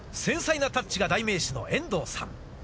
繊細なタッチが代名詞の遠藤さん。